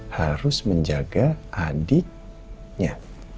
harus menjaga adiknya